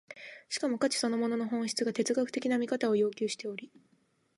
しかも価値そのものの本質が哲学的な見方を要求しており、